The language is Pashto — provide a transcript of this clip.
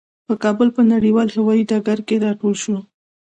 په کابل په نړیوال هوايي ډګر کې راټول شوو.